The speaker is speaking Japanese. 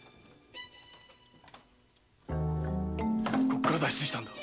ここから脱出したんだ